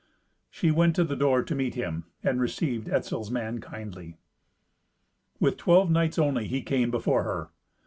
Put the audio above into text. She went to the door to meet him, and received Etzel's man kindly. With twelve knights only he came before her.